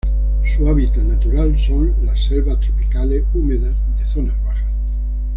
Su hábitat natural son los selvas tropicales húmedas de zonas bajas.